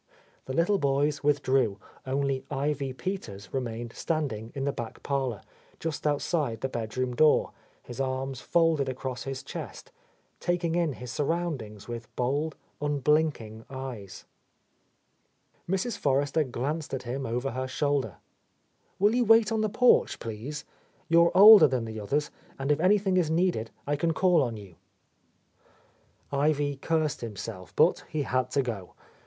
The little boys withdrew, only Ivy Peters remained standing in the back parlour, just outside the bedroom door, his arms folded across his chest, taking in his surroundings with bold, unblinking eyes. Mrs. Forrester glanced at him over her shoul der. "Will you wait on the porch, please? You are older than the others, and if anything is needed I can call on you." Ivy cursed himself, but he had to go.